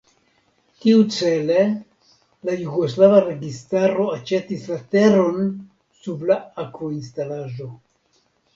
Tiucele la jugoslava registaro aĉetis la teron sub la akvoinstalaĵo.